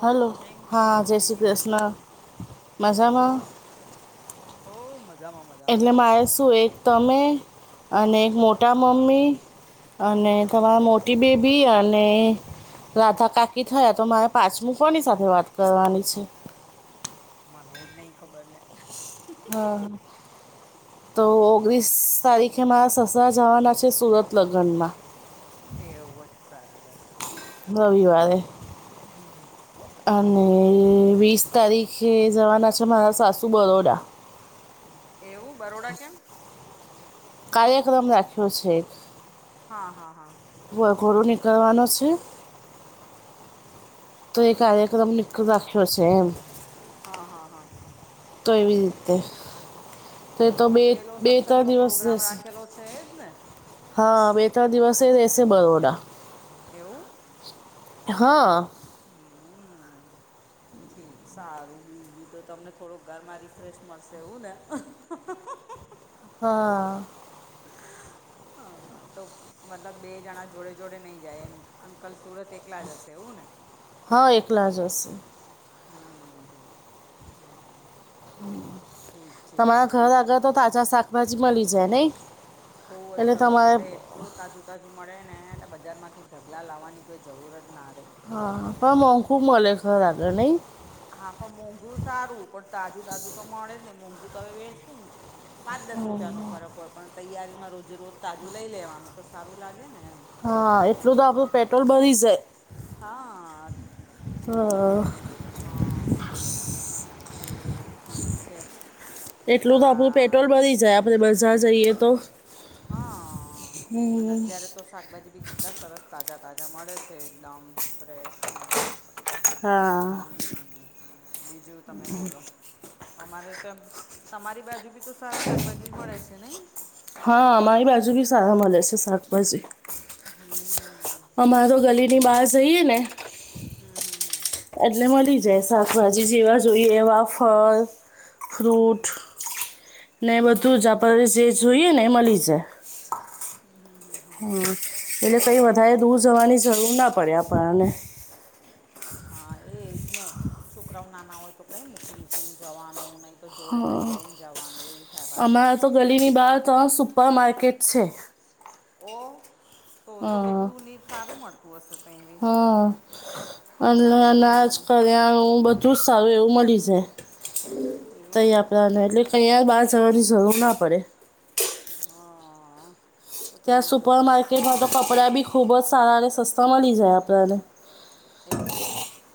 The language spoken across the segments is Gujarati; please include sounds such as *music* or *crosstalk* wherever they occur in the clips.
હલો કેમ હા છો? જય શ્રી કૃષ્ણ. શ્રીકૃષ્ણ મજામાં હો મજ એટલે મારે શું એક તમે અને એક મોટ ત હા હા મમી અને હા હા. તમારા મોટી બેબી અને રાધાકાકી થયા તો મારે પાંચમુ કોની સાથે વાત કરવાની છે મનેય નહી ખબરને હા તો ઓગણીસ તારીખે મારા સસરા જવાના છે સુરત લગ્નમાં એ *unintelligible* બરાબર *unintelligible* અને વીસ તારીખે જવાના છે મારા સાસુ બરોડા એવું બરોડા કેમ કાર્યક્રમ રાખ્યો છે એક હા હા હા *unintelligible* કરવાનો છે તો એ કાર્ય *inaudible* રાખ્યો છે એમ હા હા હા તો એવી રીતે તે તો હા બે પેલો બે ત્રણ સત્સંગનો દિવસ પ્રોગ્રામ રેશે રાખેલો છે એ જ ને હા બે ત્રણ દિવસે રેશે બરોડા એવું હા હમ. ઠીક સારું બીજુ તો તમને થોડુંક ઘરમાં રિફ્રેશ મળશે એવું ને હા તો મતલબ બે જણા જોડે જોડે નઈ જાય એમ અંકલ સુરત એક એકલા જ શે એવું ને હા એકલા જ હશે હમ ઠીક ઠીક તમારા છે ઘર બી આગળ તો તાજા શાકભાજી મલી જાય નઈ બોઔજ સરસ મળે એટલું તાજું તાજું મળે ને બજારમાંથી ઢગલા લાવવાની કોઈ જરૂર જ ના રેય હા પન મોઘુ મલે ઘર આગળ નઇ હા પણ મોંઘું સારું પણ તાજું તાજું તો મળે જ ને મોંઘું તો હવે વેસ હું પાંચ દસ રૂપિયાનો ફરક હોય પણ તૈયારીમાં રોજે રોજ તાજું લઈ લેવાનું તો સારું લાગે ને એમ હા એટલું તો આપડું પેટ્રોલ બળી જાય હા હા *inaudible* હા હા ઈજ એ ઠીક છે *unintelligible* એટલું તો આપણું પેટ્રોલ હા ભરી જાય આપણે બજાર જઈએ તો હા અને અત્યારે તો શાકભાજી બી કેટલા સરસ તાજા તાજા મળે છે એકદમ ફ્રેશ ને હા હમ હમ બીજું તમે બોલો અમારે તો તમારી બાજુ બી તો સારા શાકભાજી મળે છે નઈ? હા મારી બાજુ ભી સારા મલે છે શાકભાજી હમ અમારે તો ગલી ની બહાર જઈએ ને હમ હમ એટલે મલી જાય શાકભાજી જેવા જોઈએ એવા ફળ ફ્રૂટ ને બધું હમ હમ આપને જે જોઈએ ને મલી જાય. હમ એટલે કઈ વધારે દૂર જવાની જરૂર ના પડે આપણાને. હા એ જ ને છોકરાઓ નાના હોય તો કઈ મૂકી મૂકીને જવાનું નઈ તો જોડે લઈ લઈને જવાનું એવું થાય પાછું. અમારે તો ગલીની બાર ત્રણ સુપર માર્કેટ છે. ઓ તો તો હા બધું ની સારું મલતું હશે તઇબી હા *unintelligible* હં કર્યા હું બધું જ સારું એવું મલી એવું જાય. *unintelligible* બહાર જવાની જરૂર ના પડે. હા, તો તો બહુ ત્યાં સુપર સરસ માર્કેટમાં તો કપડાં બી ખૂબ જ સારા અને સસ્તા મળી જાય આપણને. એવું?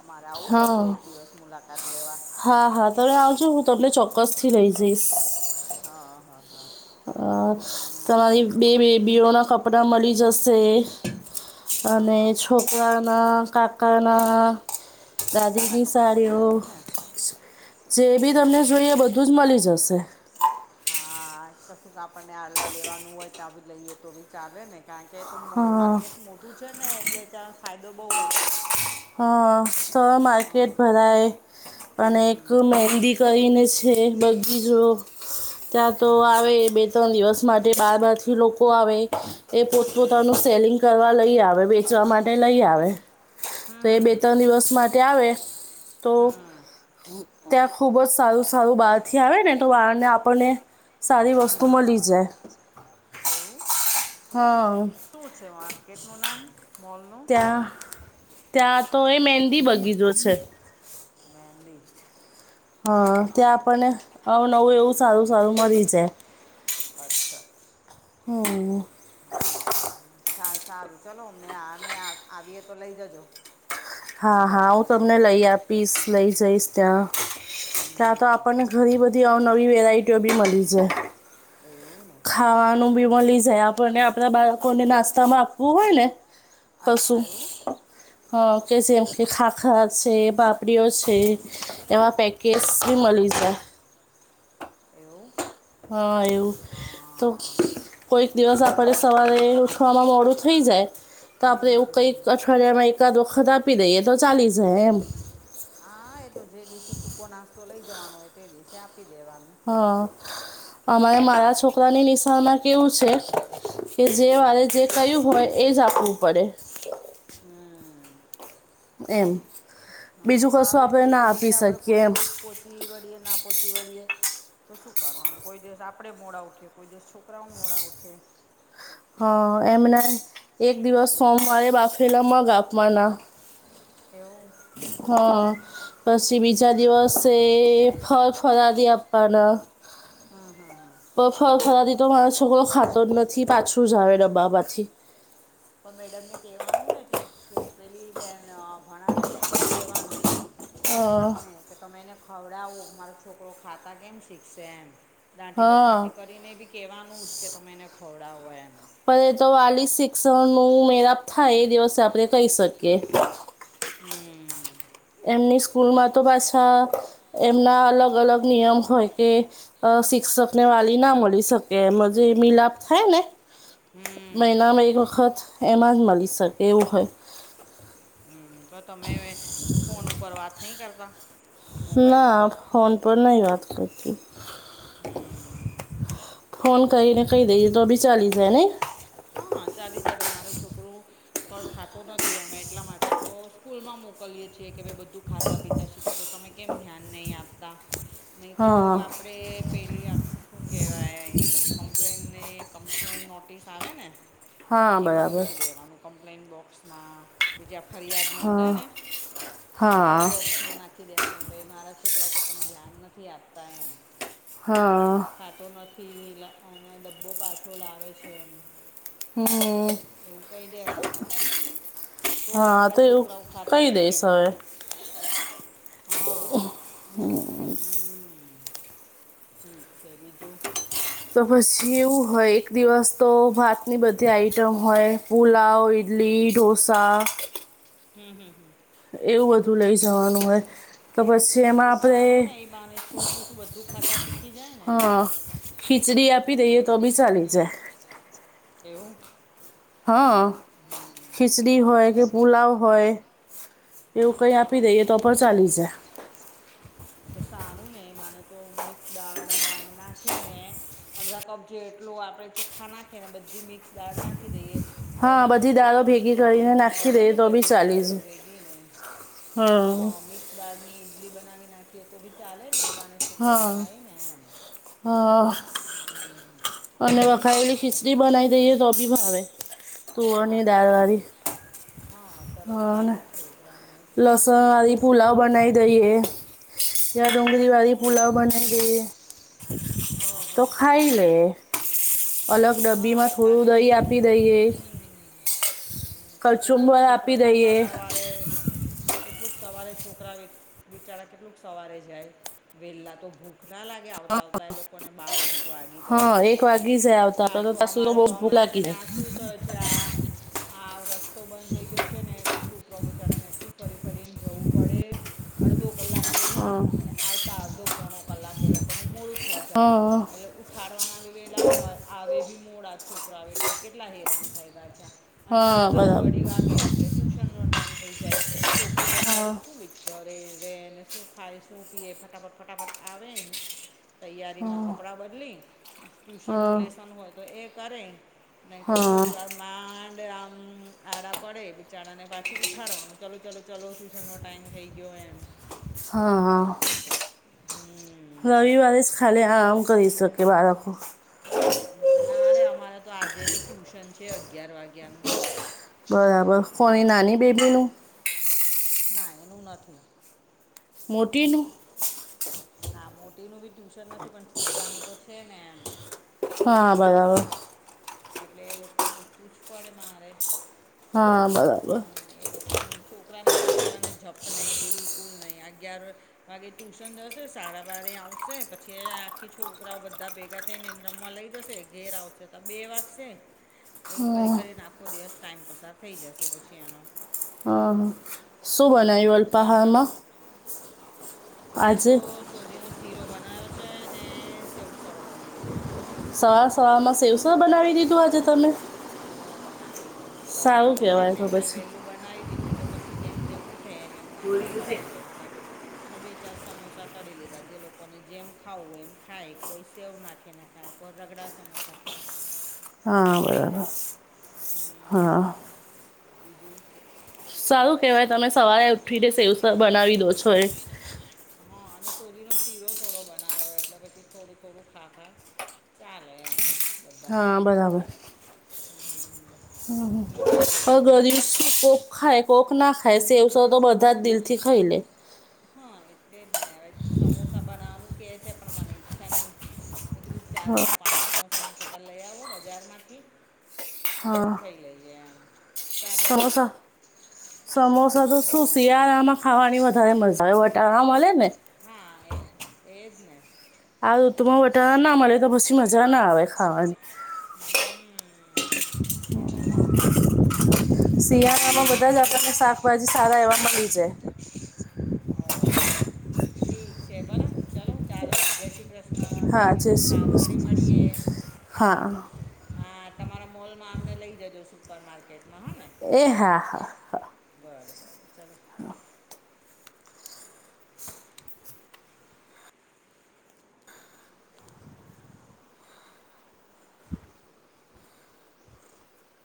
અમારે આવું પડશે હા એક દિવસ મુલાકાત લેવા. હા હા તમે આવજો હું તમને ચોક્કસ થી લઈ જઈશ. હા હા હા. અ તમારી હમ બે બેબીઓના કપડા મળી જશે. હા અને હા છોકરાના કાકાના બધાના દાદીની કપડાં મળી જાય સાડીઓ એવું ને જે બી તમને હા જોઈએ બધું જ મળી જશે. હા કશું કે આપણને આડવા લેવાનું હોય ત્યાં બી લઈએ તો બી ચાલે ને કા કે તો હા માર્કેટ મોટું છે ને એટલે ત્યાં ફાયદો બહુ હશે.? હ તો હા માર્કેટ ભરાય. અને એક હમ મેનદી કરીને છે બગીચો ત્યાં તો હમ આવે બે ત્રણ દિવસ માટે બાર બાર થી લોકો આવે એ હમ હમ પોતપોતાનું સેલિંગ કરવા લઈ આવે વેચવા માટે લઈ આવે. તો એ હમ બે હમ ત્રણ દિવસ માટે આવે તો હમ ત્યાં ખુબ જ સારું સારું બહાર થી આવે ને તો બહારને આપણને સારી વસ્તુ હમ મલી જાય. એવું.? હા. શું છે માર્કેટનું નામ મોલનું.? ત્યાં ત્યાં તો એ મહેંદી બગીચો છે. મહેંદી. હા ત્યાં આપણને અવનવું એવું સારું સારું મળી જાય.. અચ્છા. હમ. હા સારું ચલો અમને અમે આવીએે તો લઈ જજો.? હા મજા હા આવે હું તઈ તમને લઈ આપીશ લઈ જઈશ ત્યાં હમ ત્યાં તો હમ આપણને ઘરી બધી બધી અનવી વેરાઈટીઓ બી મળી જાય એવું ને ખાવાનું બી મળી જાય આપ બને આપણા બાળકોને નાસ્તામાં આપવું હોય ને અચ્છા કશું એવું હા કે જેમ કે ખાખરા છે બાપરીઓ છે એવા પેક કેસરી મ અલી જાય. એવું.? હા એવું તો હા હજુ કોઈક દિવસ હજુ આપણે તમારા સવારે સાસુ વામાં મોડું થઈ જાય તો આપણે હમ એવું હમ કંઈક હમ અઠવાડિયામાં એક વખત વખત આપી દઈએ તો ચાલી જ હ એમ. હા એ તો જે દિવસે સૂકો નાસ્તો લઇ જવાનો હોય તે દિવસે આપી દેવાનું. હા અમારે મારા છોકરાની નિશાળમાં કેવું છે કે જે વારે હમ જે ક્યું હોય એ જ આપવું પડે. હમ્મ. એમ. હ બીજું પણ કશું આવે આપણે એટલું તો ના આપી પછી આપણે શકીએ કોઈ એમ દિવસ પહોંચી વળીએ ના પહોંચી વળીએ. તો શું કરવાનું કોઈ દિવસ આપણે મોડા ઉઠે કોઈ દિવસ છોકરાઓ મોડા ઉઠે. હા એમને એક દિવસ સોમવારે બાફેલા મગ આપવાના. એવું. હા પછી બીજા હમ દિવસે ફરાદી આપપના. હા હા હા. બ ફર ફરાદી તો મારો છોકરો ખાતો જ નથી પાછું જ આવે ડબ્બામાંથી. પણ મેડમને કહેવાનું ને ટીચ પેલી બેન ભણાવે ને એને કહેવાનું. હા શિક્ષકને કે તમે એને ખવડાવો મારો છોકરો ખાતા કેમ શીખશે એમ. દાંટી હા દપાટી કરીને બી કહેવાનું જ કે તમે એને ખવડાવો એમ. પણ એ તો વાલી શિક્ષણ નું મેળાપ થાય એ દિવસે આપણે કહી શકીએ. હમ્મ એમની સ્કૂલમાં તો પાછા એમના અલગ અલગ નિયમ હોય કે અ શિક્ષકને વાલી ના મળી શકે એમ જે મિલાપ થાય ને હમ્મ. મહિનામાં એક વખત એમાં જ મળી શકે એવું હોય. હમ્મ તો તમે ફોન ઉપર વાત નહીં કરતા મોબાઈલ ના ઉપર ફોન પર નહી વાત કરતી હમ ફોન કરીને કહી દઈએ તો બી ચાલી જાય નઈ હા ચાલી જાય ભાઈ મારો છોકરો ફળ ખાતો નથી અમે એટલા માટે તો સ્કૂલ માં મોકલીએ છીએ કે ભાઈ બધું બધું ખાતા પીતા શીખે તો તમે કેમ ધ્યાન નહીં આપતા. નહી તો હા આપડે પેલી આ હું કહેવાય કમ્પ્લેનની કમ્પ્લેન નોટિસ આવે ને હા એમાં બરાબર મૂકી દેવાવાનું કમ્પ્લેન બોક્સમાં જ્યાં ફરિયાદ નોંધે હા ને એ હા બોક્સ માં નાખી દેવાની ભાઇ મારા છોકરાઓ પર તમે ધ્યાન નથી આપતા એમ. હા ખાતો નથી અને ડબ્બો પાછો લાવે છે એમ. હમ્મ. એવું કહી દેવાનું તોજ હા તો આપડા એવું છોકરાઓ ખાતા કહી શીખે દઈશ *unintelligible* હવે *unintelligible* હા હમ્મ ઠીક છે બીજું તો પછી એવું હોય એક દિવસ તો ભાતની બધી આઇટમ હોય. પુલાવ ઇડલી ડોસા હમ્મ હમ્મ. એવું બધું લઈ જવાનું હોય તો પછી હા એમાં તો આપણે સારું ને એ બાને છોકરું શું બધું ખાતા શીખી જાય ને એમ. હા ખીચડી આપી દઈએ તો હમ બી ચાલી જાય. એવું હં હમ ખિચડી હમ હોય હમ કે પુલાવ હોય એવું કઈ અચ્છા આપી દઈએ તો પણ ચાલી જાય. તો સારું ને એ બાને તો મિક્સ દાળ માં નાંખી ને અડધા કપ જેટલુ આપણે ચોખ્ખા નાખીએ ને બધી મિક્સ દાળ નાખી દઈએ. એ હા બાને બધી દાળો છોકરાને ભેગી કરીને પ્રોટીની નાખી મળે દઈએ ને બધી દાળ ન ભેગી ને. હમ્મ. દાળની ઈડલી બનાવી નાખીએ તો બી ચાલે ને એવાને છોકરા હા ખાય ને એમ. હા. હમ્મ. અને વખાવેલી ખીચડી બનાવી દઈએ તો બી ભાવે તુવેર ની ભાવે દાળ ભાવે વાળી. હા સરસ લાગે છોકરાઓને ખાતું આમ બનાઈ દઈએ યા હ ડુંગળી વાળી પુલાવ બનાઈ દઈએ. હ હ તો ખાઈ લે. અલગ ડબ્બી હા માં થોડું સાચું દહી કેટ આપી દઈએ. હમ હમ કેટલુંક કચુંબર આપી છોકરાઓ કેટલા દઈએ સવારે કેટલુંક સવારે છોકરા બિચારા કેટલુંક સવારે જાય વેહેલા તો ભૂખ ના લાગે આવતા આવતા એ લોકોને બહાર એક વાગી જાય. હા એક વાગી જાય આવતા તો તો પાછું અમારે બહુ તો ભૂખ હમણાં છે લાગી ને આ જાય શું થું છે આ આ રસ્તો બંધ થઈ ગયો છે ને એ કોઈ છોકરો બચારા ને એટલું ફરી ફરીને જવું પડે. અડધો કલાક વહેલા અને આવતા અડધો પોણો કલાક એ લોકોને મોડું થેઈ જાય હા એટલે ઠાળવાના વેલા ને આવે ભી મોડા છોકરાઓ એટલે કેટલા હેરાન થાય ગા છે. અને હા હા પાછું અઢી બરાબર વાગે એટલે ટ્યુશનનો ટાઈમ થઈ જાય છોકરું હા બચારું શું વચ હોય રેને શું ખાય, શું પીએ ફટાફટ ફટાફટ આવે તૈયારીમાં કપડાં બદલી ટ્યુશનનું હા લેસન હોય તો એ કરે. નહીં તો હા હા થોડી વાર માંડ આમ આડા પડે બિચારાને પાછું ઉઠાડવાનું ચાલું ચાલો ચાલો ટ્યુશનનો ટાઈઇમ થઈ ગયો એમ. હા હા. હમ્મ. રવિવારે જ ખાલી આમ કરી શકે આરામ. ના રે અમારે તો આજે બી ટ્યુશન છે અગિયાર વાગ્યાનું. બરાબર કોની નાની બેબીનું? ના એનું નથી. મોટીનું? ના મોટીનું બી ટ્યુશન નથી પણ છોકરાનું તો છે ને એમ. હા બરાબર. એટલે એ લોકોનું ઉઠું જ પડે મારે. હા બરાબર. એ લોકો છોકરાને તો બચારાને જપ નહી બિલકુલ નહી અગિયાર બાકી ટ્યુશન જશે સાડા બાર આવશે પછી આખી છોકરાઓ બધા ભેગા થઈને રમવા લઈ જશે ઘેર આવશે તો બે વાગશે. એવું હા કરી હા કરીને આખો દિવસ ટાઈમ પસાર થઈ જશે પછી એનો. હા શું બનાયુ હમ, અલપહારમાં? ત્યાં તો સોધીનો શીરો બનાવયો છે ને સેવસળ બનાય છે. સવાર સવારમાં સેવસ બનાવી દીધું આજે તમે? હમ્મ, બનાવી દીધું સવાર સારું રવિવાર કહેવાય ને તો એટલે પછી વેલું બનાવી લીધું તો પછી જેમ જેમ ઉઠે એમ એમ નાસ્તા કરાવી દેવાના. અને બે ચાર સમોસા તળી લીધા જે લોકોને જેમ ખાવું એમ ખાય કોઈ સેવ નાખે ને ને પર રગડા સમોસા થાય. હા બરાબર હમ હા. બીજું? સારું કહેવાય તમે સવારે ઉઠીને સેવસ બનાવી દો છો એ. હા અને સોજી નો શીરો થોડો બનાયો એટલે પછી થોડું થોડુંક ખા ખાય. ચાલે. હા બરાબર ઠીક છે બીજું *unintelligible* કોક ખાય કોક ના ખાય સેવસર તો બધા જ દિલ થી ખાઈ લે હા એટલે જ ને હવે સમોસા બનાવવાનું કે છે પણ મને ઈચ્છા નહી મેં કીધું ચારસો પાંચસ એન કરતા લઈ આવો બજાર માંથી હા પછી ખાઇ લેજે એમ ચાલે ને સમોસા સમોસા તો શું હ શિયાળામાં ખાવાની વધારે મજા આવે વટાણા મળે ને હા એ એજ ને આ ઋતુમાં વટાણા ના મળે તો પછી મજા ના આવે ખાવાની હમ એટલે ઠીક છે શિયાળામાં બધા જ ભલે આપણને શાક બધા સારા એવા મળી જાય ઓ હો ઠીક છે *unintelligible* ચાલો ચાલો જય શ્રી કૃષ્ણ હા જે પાછા ફરી મળીએ હા હા તમારા મોલમાં અમને લઈ જજો સુપર માર્કેટમાં હા ને એ હા હા હા બરાબર ચાલ હા